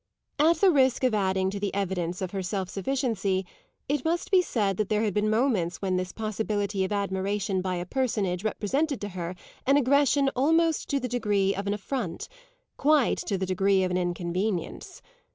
At the risk of adding to the evidence of her self sufficiency it must be said that there had been moments when this possibility of admiration by a personage represented to her an aggression almost to the degree of an affront, quite to the degree of an inconvenience.